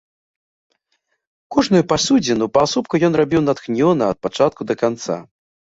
Кожную пасудзіну паасобку ён рабіў натхнёна ад пачатку да канца.